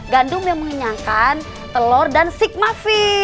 gandum yang mengenyangkan telur dan sigma v